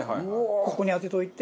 ここに当てといて。